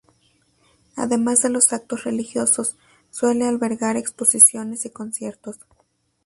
Además de los actos religiosos, suele albergar exposiciones y conciertos.